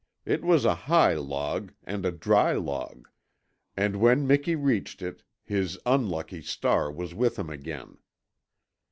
It was a high log, and a dry log, and when Miki reached it his unlucky star was with him again.